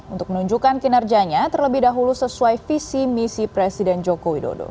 untuk menunjukkan kinerjanya terlebih dahulu sesuai visi misi presiden joko widodo